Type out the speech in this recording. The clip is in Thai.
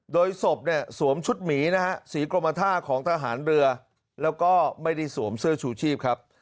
โดยศพเนี่ยสวมชุดหมีนะฮะสีกรมท่าของทหารเรือแล้วก็ไม่ได้สวมเสื้อชูชีพครับ